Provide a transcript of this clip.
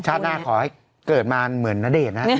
หน้าขอให้เกิดมาเหมือนณเดชน์นะครับ